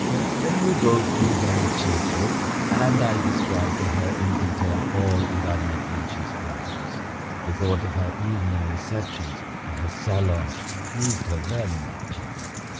Then we both grew very cheerful, and I described to her in detail all Ivan Matveitch's plans. The thought of her evening receptions and her salon pleased her very much.